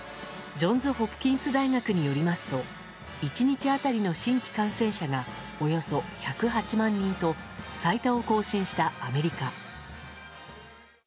ジョンズ・ホプキンズ大学によりますと１日当たりの新規感染者がおよそ１０８万人と最多を更新したアメリカ。